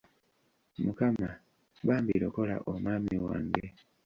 Mukama, bambi lokola omwami wange.